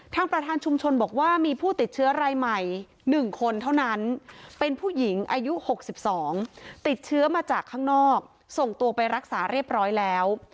ประธานชุมชนบอกว่ามีผู้ติดเชื้อรายใหม่๑คนเท่านั้นเป็นผู้หญิงอายุ๖๒ติดเชื้อมาจากข้างนอกส่งตัวไปรักษาเรียบร้อยแล้ว